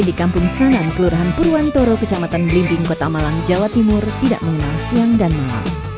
di kampung sanan kelurahan purwantoro kecamatan belimbing kota malang jawa timur tidak mengenal siang dan malam